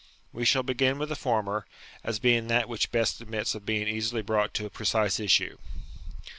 We shall begin with the former, as being that which best admits of being easily brought to a precise issue.